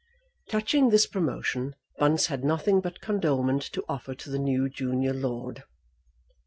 Touching this promotion, Bunce had nothing but condolement to offer to the new junior lord.